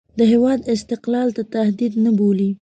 د هېواد استقلال ته تهدید نه بولي.